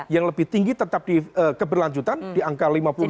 yang lebih tinggi tetap keberlanjutan di angka lima puluh enam persen